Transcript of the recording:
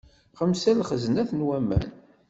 Xemsa n lxeznat n waman.